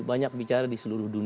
banyak bicara di seluruh dunia